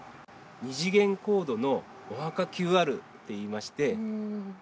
二次元コードのお墓ＱＲっていいまして。